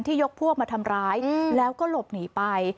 ยกพวกมาทำร้ายแล้วก็หลบหนีไป